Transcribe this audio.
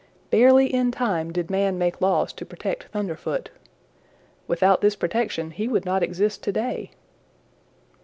Barely in time did man make laws to protect Thunderfoot. Without this protection he would not exist to day.